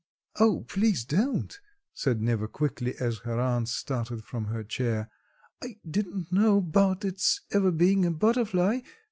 "O, please don't," said Neva quickly as her aunt started from her chair, "I didn't know 'bout it's ever being a butterfly.